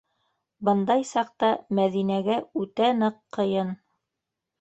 Бындай саҡта Мәҙинәгә үтә ныҡ ҡыйын.